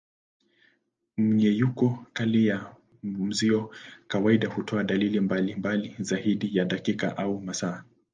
Mmenyuko kali ya mzio kawaida hutoa dalili mbalimbali zaidi ya dakika au masaa.